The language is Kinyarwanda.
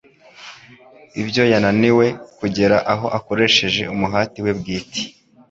Ibyo yananiwe kugeraho akoresheje umuhati we bwite